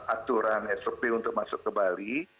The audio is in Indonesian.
aturan sop untuk masuk ke bali